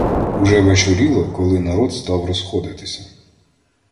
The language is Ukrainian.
Уже вечоріло, коли народ став розходитися.